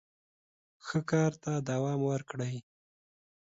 ښه کار ته دوام ورکړئ.